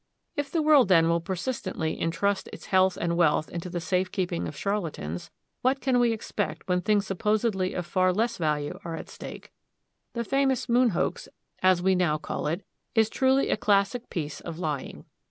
If the world, then, will persistently intrust its health and wealth into the safe keeping of charlatans, what can we expect when things supposedly of far less value are at stake? The famous Moon Hoax, as we now call it, is truly a classic piece of lying.